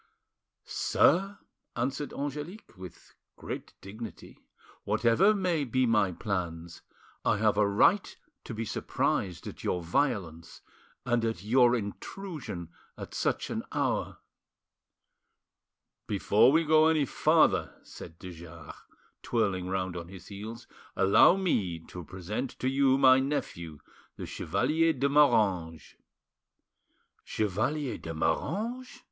"Sir," answered Angelique, with great dignity, "whatever may be my plans, I have a right to be surprised at your violence and at your intrusion at such an hour." "Before we go any farther," said de Jars, twirling round on his heels, "allow me to present to you my nephew, the Chevalier de Moranges." "Chevalier de Moranges!"